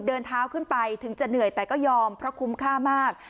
เดินเท้าขึ้นไปถึงจะเหนื่อยแต่ก็ยอมเพราะคุ้มค่ามาก